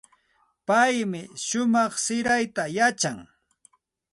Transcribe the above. Paymi shumaq sirayta yachan.